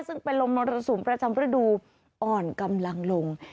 ซึ่งเป็นลมมรสุมประจำฤดูอ่อนกำลังลง